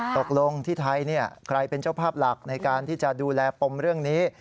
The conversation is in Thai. ตกลงที่ไทยใครเป็นเจ้าภาพหลักในการที่จะดูแลปมเรื่องนี้